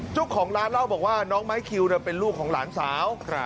เจ้าของร้านเล่าบอกว่าน้องไม้คิวเป็นลูกของหลานสาว